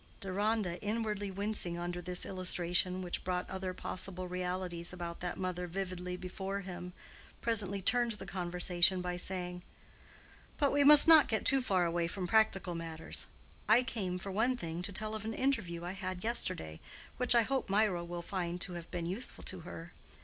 Deronda, inwardly wincing under this illustration, which brought other possible realities about that mother vividly before him, presently turned the conversation by saying, "But we must not get too far away from practical matters. I came, for one thing, to tell of an interview I had yesterday, which I hope Mirah will find to have been useful to her.